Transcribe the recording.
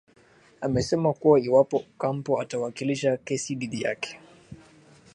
amesema kuwa iwapo ocampo atawakilisha kesi dhidi yake